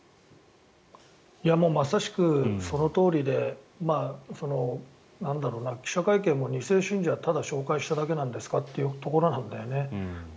まさしくそのとおりで記者会見も２世信者をただ紹介しただけなんですか？というところなんだよね。